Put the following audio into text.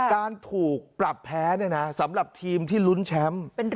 การถูกปรับแพ้เนี่ยนะสำหรับทีมที่ลุ้นแชมป์